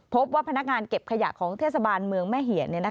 พบว่าพนักงานเก็บขยะของเทศบาลเมืองแม่เหี่ย